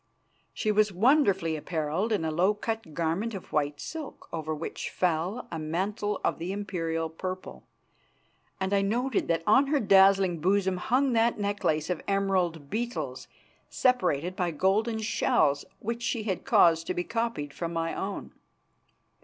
She was wonderfully apparelled in a low cut garment of white silk, over which fell a mantle of the imperial purple, and I noted that on her dazzling bosom hung that necklace of emerald beetles separated by golden shells which she had caused to be copied from my own.